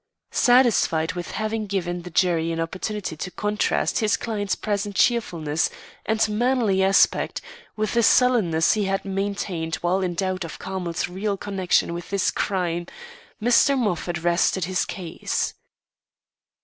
Satisfied with having given the jury an opportunity to contrast his client's present cheerfulness and manly aspect with the sullenness he had maintained while in doubt of Carmel's real connection with this crime, Mr. Moffat rested his case.